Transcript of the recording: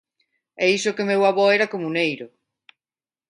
E iso que meu avó era comuneiro!